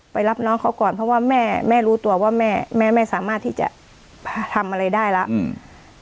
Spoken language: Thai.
รับน้องเขาก่อนเพราะว่าแม่แม่รู้ตัวว่าแม่แม่ไม่สามารถที่จะทำอะไรได้แล้วอืม